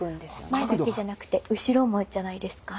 前だけじゃなくて後ろもじゃないですか